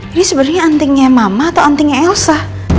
ini sebenarnya antingnya mama atau antingnya elsa